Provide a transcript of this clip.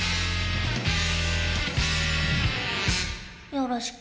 よろしく。